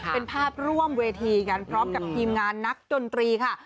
เป็นภาพร่วมเวทีกันพร้อมกับทีมงานนักดนตรีค่ะ